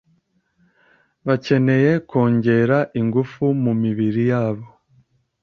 bakeneye kongera ingufu mu mibiri yabo.